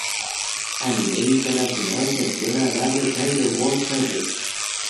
A nivel internacional gestiona Radio Cairo World Service.